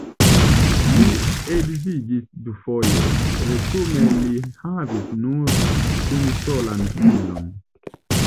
Li edziĝis dufoje, resume li havis nur unusolan filon.